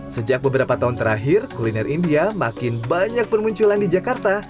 sejak beberapa tahun terakhir kuliner india makin banyak bermunculan di jakarta